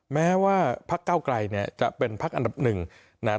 แม้ว่าพักเก้าไกลเนี่ยจะเป็นพักอันดับหนึ่งนะครับ